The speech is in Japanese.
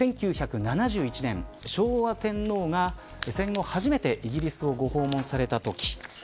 １９７１年、昭和天皇が戦後初めてイギリスをご訪問されたとき。